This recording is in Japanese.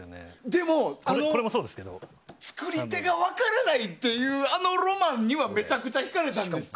でも作り手が分からないっていうあのロマンにはめちゃくちゃ、引かれたんです。